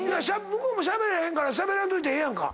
向こうもしゃべらへんからしゃべらんといてええやんか。